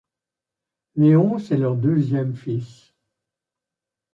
Léonce est leur deuxième fils.